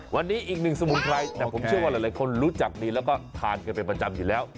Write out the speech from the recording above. วันนี้อีกหนึ่งสมุนไพรแต่ผมเชื่อว่าหลายคนรู้จักดีแล้วก็ทานกันเป็นประจำอยู่แล้ว